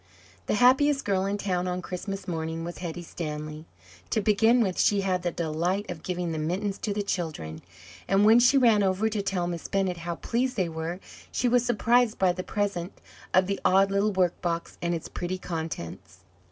The happiest girl in town on Christmas morning was Hetty Stanley. To begin with, she had the delight of giving the mittens to the children, and when she ran over to tell Miss Bennett how pleased they were, she was surprised by the present of the odd little workbox and its pretty contents.